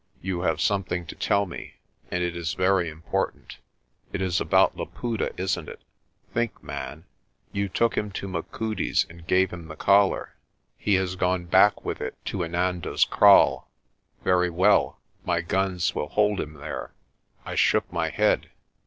"You have something to tell me, and it is very important. It is about Laputa, isn't it? Think, man. You took him to Machudi's and gave him the collar. He has gone back with it to Inanda's Kraal. Very well, my guns will hold him there." I shook my head.